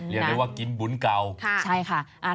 เรียกได้ว่ากินบุญเก่า